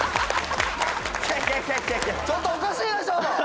ちょっとおかしいでしょ！